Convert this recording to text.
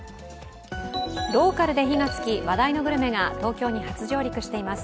ローカルで火がつき話題のグルメが東京に初上陸しています。